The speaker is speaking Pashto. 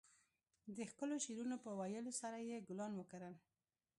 د ښکلو شعرونو په ويلو سره يې ګلان وکرل.